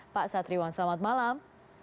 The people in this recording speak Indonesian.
pak satriwan selamat malam